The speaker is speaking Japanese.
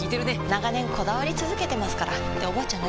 長年こだわり続けてますからっておばあちゃん